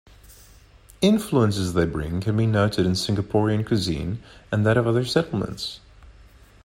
Influences they bring can be noted in Singaporean cuisine and that of other settlements.